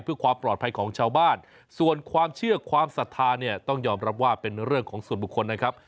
เพื่อความปลอดภัยของชาวบ้านส่วนความเชื่อความศรัทธาเนี่ยต้องยอมรับว่าเป็นเรื่องของส่วนบุคคลนะครับ